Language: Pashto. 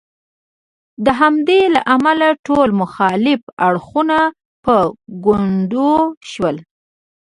د همدې له امله ټول مخالف اړخونه په ګونډو شول.